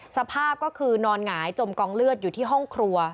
สภาพก็คือนอนหงายจมกองเลือดอยู่ที่ห้องครัว